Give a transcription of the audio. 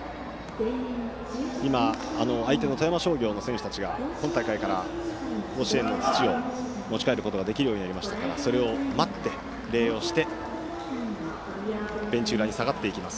富山商業の選手たちが今大会から甲子園の土を持ち帰ることができるようになりましたからそれを待って、礼をしてベンチ裏に下がっていきます。